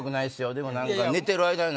でも。